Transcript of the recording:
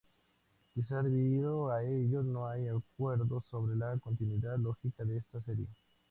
Quizá debido a ello, no hay acuerdo sobre la continuidad lógica de esta serie.